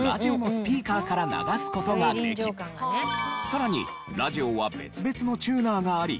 さらにラジオは別々のチューナーがあり